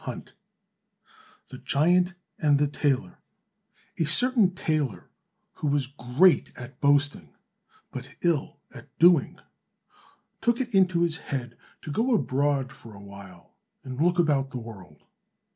183 The Giant and the Tailor A certain tailor who was great at boasting but ill at doing, took it into his head to go abroad for a while, and look about the world.